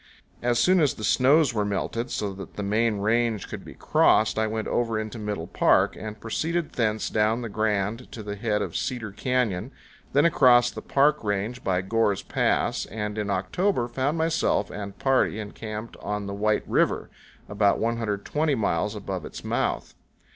As soon as the snows were melted, so that the main range could be crossed, I went over into Middle Park, and proceeded thence down the Grand to the head of Cedar Canyon, then across the Park Range by Gore's Pass, and in October found myself and party encamped on the White River, about 120 miles above its mouth.